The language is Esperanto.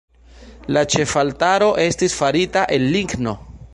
La ĉefaltaro estis farita el ligno.